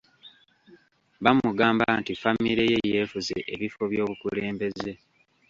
Bamugamba nti famire ye yeefuze ebifo by’obukulembeze.